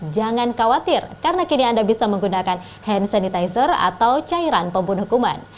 jangan khawatir karena kini anda bisa menggunakan hand sanitizer atau cairan pembunuh kuman